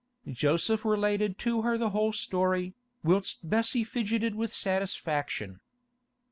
Joseph related to her the whole story, whilst Bessie fidgeted with satisfaction.